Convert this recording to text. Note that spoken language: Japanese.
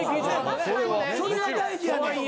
それは大事やねん。